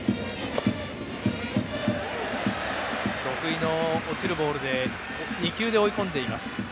得意の落ちるボールで２球で追い込んでいます。